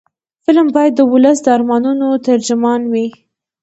فلم باید د ولس د ارمانونو ترجمان وي